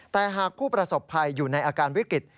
แต่หากผู้ประสบภัยอยู่ในอาการวิกฤต